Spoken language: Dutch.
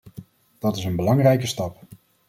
Dat is een belangrijke stap.